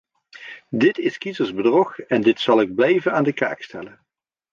Dit is kiezersbedrog en dit zal ik blijven aan de kaak stellen.